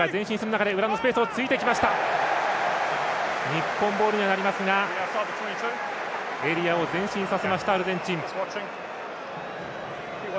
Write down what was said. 日本ボールにはなりますがエリアを前進させましたアルゼンチン。